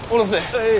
はい。